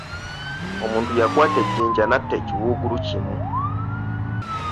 Omuntu yakwata ejjinja natta ekiwuugulu kimu.